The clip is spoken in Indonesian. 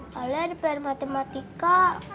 kalian diperan matematika